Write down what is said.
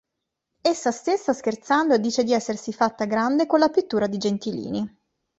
Essa stessa scherzando dice di essersi fatta grande con la pittura di Gentilini.